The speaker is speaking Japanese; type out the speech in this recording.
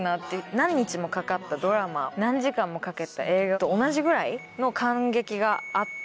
何日もかかったドラマ何時間もかけた映画と同じぐらいの感激があって。